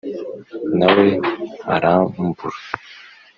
na we arambura;